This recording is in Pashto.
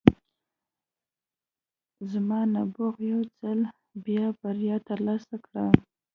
زما نبوغ یو ځل بیا بریا ترلاسه کړه